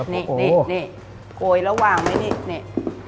นี่นี่นี่โกยแล้ววางไหมนี่นี่